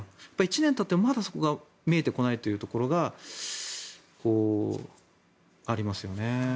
１年たってまだそこが見えてこないというところがありますよね。